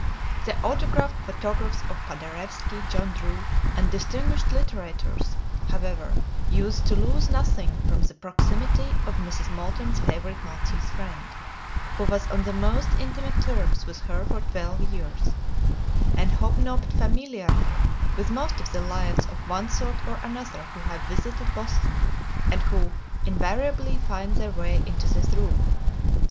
The autographed photographs of Paderewski, John Drew, and distinguished litterateurs, however, used to lose nothing from the proximity of Mrs. Moulton's favorite maltese friend, who was on the most intimate terms with her for twelve years, and hobnobbed familiarly with most of the lions of one sort or another who have visited Boston and who invariably find their way into this room.